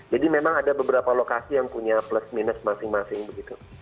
jadi memang ada beberapa lokasi yang punya plus minus masing masing begitu